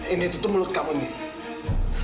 ini tutup mulut kamu nih